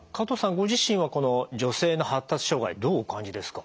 ご自身はこの女性の発達障害どうお感じですか？